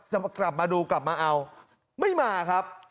จะกลับมาดูกลับมาเอาไม่มาครับ